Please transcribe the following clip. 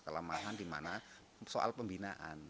kelemahan di mana soal pembinaan